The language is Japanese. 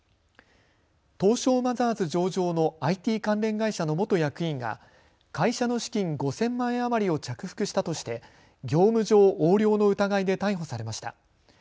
東証マザーズ上場のＩＴ関連会社の元役員が会社の資金５０００万円余りを着服したとして業務上横領の疑いで逮捕されました。